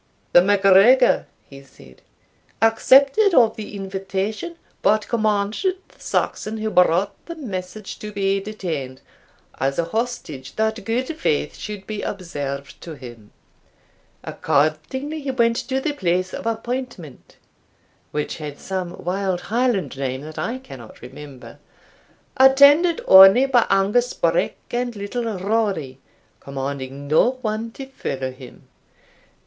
"The MacGregor," he said, "accepted of the invitation, but commanded the Saxon who brought the message to be detained, as a hostage that good faith should be observed to him. Accordingly he went to the place of appointment" (which had some wild Highland name that I cannot remember), "attended only by Angus Breck and Little Rory, commanding no one to follow him.